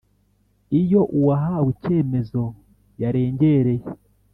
Iyo uwahawe icyemezo yarengereye